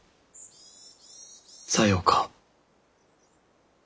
さようか。